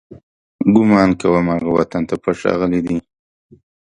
ګمان کوم، هغه وطن ته پټ راغلی دی.